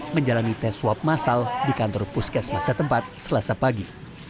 menjalani tes swab masal di kantor puskesmas setempat selasa pagi